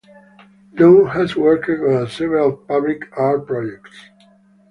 Lum has worked on several public art projects.